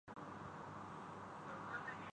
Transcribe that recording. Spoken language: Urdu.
وہ رو پڑا۔